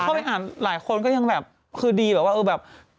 เข้าไปอ่านหลายคนก็ยังแบบคือดีแบบว่าเออแบบ